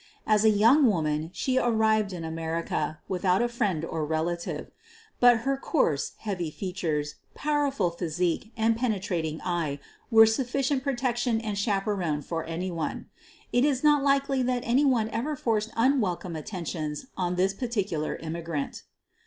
As a young woman she arrived in America without a friend or relative. But her coarse, heavy features, powerful physique, and penetrating eye were sufficient pro tection and chaperone for anyone. It is »ot likely that anyone ever forced unwelcome attentions on this particular immigrant.